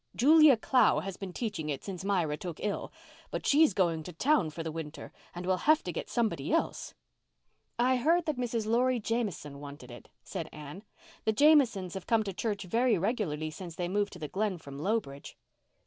Julia Clow has been teaching it since Myra took ill, but she's going to town for the winter and we'll have to get somebody else." "I heard that Mrs. Laurie Jamieson wanted it," said Anne. "The Jamiesons have come to church very regularly since they moved to the Glen from Lowbridge."